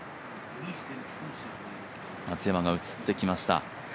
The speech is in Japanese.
松山が映ってきました。